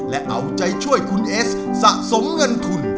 และเอาใจช่วยคุณเอสสะสมเงินทุน